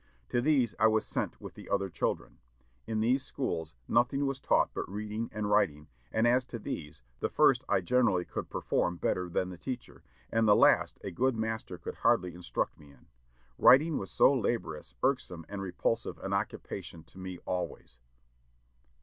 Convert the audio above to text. To these I was sent with the other children.... In these schools nothing was taught but reading and writing; and as to these, the first I generally could perform better than the teacher, and the last a good master could hardly instruct me in; writing was so laborious, irksome, and repulsive an occupation to me always."